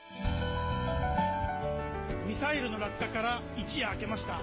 ミサイルの落下から一夜明けました。